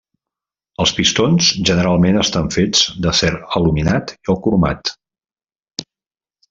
Els pistons generalment estan fets d'acer aluminat o cromat.